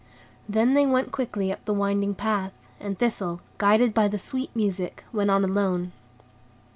Then they went quickly up the winding path, and Thistle, guided by the sweet music, went on alone.